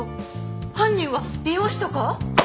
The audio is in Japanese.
犯人は美容師とか？